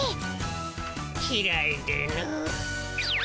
きらいでの。